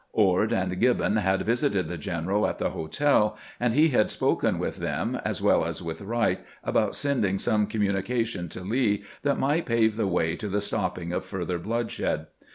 Ord and Gibbon had Adsited the general at the hotel, and he had spoken with them, as well as with Wright, about sending some communication to Lee that might pave the way to the stopping of further bloodshed.